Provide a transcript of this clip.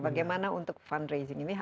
bagaimana untuk fundraising ini